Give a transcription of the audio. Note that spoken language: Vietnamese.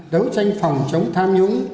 đấu tranh phòng chống tham nhũng